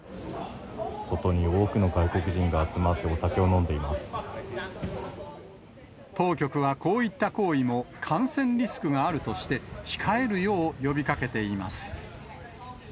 外に多くの外国人が集まって、当局は、こういった行為も感染リスクがあるとして、控えるよう呼びかけています。